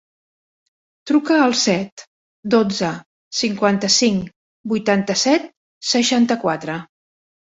Truca al set, dotze, cinquanta-cinc, vuitanta-set, seixanta-quatre.